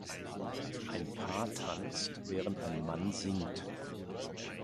Ein Paar tanzt, während ein Mann singt